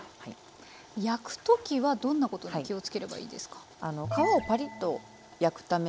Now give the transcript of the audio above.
焼く時はどんなことに気をつければいいですか？